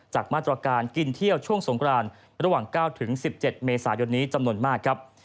มาตรการกินเที่ยวช่วงสงครานระหว่าง๙๑๗เมษายนนี้จำนวนมากครับ